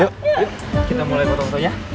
yuk kita mulai foto fotonya